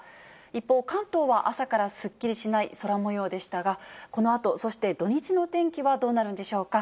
一方、関東は朝からすっきりしない空もようでしたが、このあと、そして土日の天気はどうなるんでしょうか。